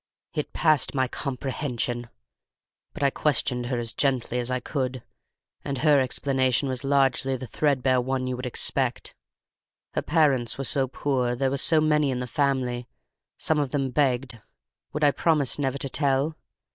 It passed my comprehension. But I questioned her as gently as I could; and her explanation was largely the thread bare one you would expect. Her parents were so poor. They were so many in family. Some of them begged—would I promise never to tell?